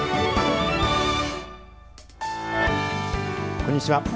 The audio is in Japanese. こんにちは。